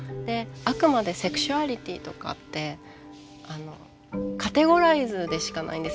あくまでセクシュアリティーとかってカテゴライズでしかないんですよ。